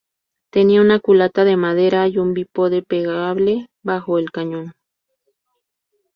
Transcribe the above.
Tenía una culata de madera y un bípode plegable bajo el cañón.